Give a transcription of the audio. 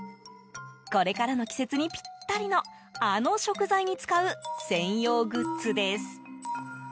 これからの季節にぴったりのあの食材に使う専用グッズです。